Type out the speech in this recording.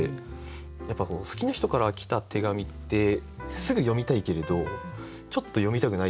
やっぱ好きな人から来た手紙ってすぐ読みたいけれどちょっと読みたくないというか。